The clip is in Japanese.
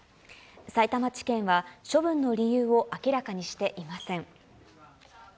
さいたま地検は処分の理由を明らかにしていません。